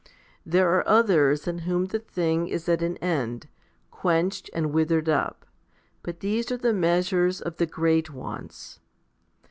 There are others in whom the thing is at an end, quenched, and withered up ; but these are the measures of the great ones.